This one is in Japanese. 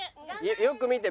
よく見て。